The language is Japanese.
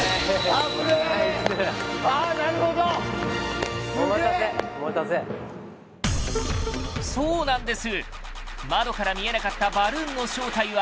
危ねえああなるほどすげえお待たせお待たせそうなんです